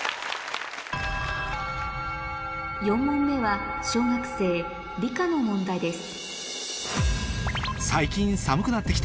４問目は小学生理科の問題です